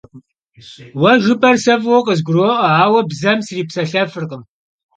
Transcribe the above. Vue jjıp'er se f'ıue khızguro'ue, aue bzem sripselhefırkhım.